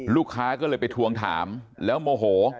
ลูกค้าก็เลยไปทวงถามแล้วโมโห